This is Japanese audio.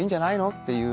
っていう。